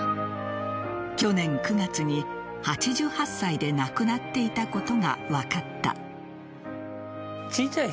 去年９月に８８歳で亡くなっていたことが分かった。